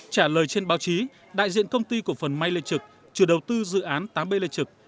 trả lời trên báo chí đại diện công ty cổ phần may lê trực chủ đầu tư dự án tám b lê trực